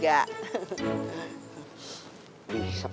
gue kan calon emak lo juga